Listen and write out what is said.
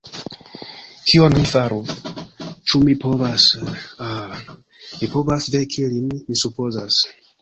Kion mi faru, ĉu mi povas... ah, mi povas veki lin, mi supozas.